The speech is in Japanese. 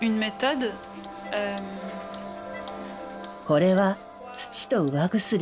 これは土と釉薬。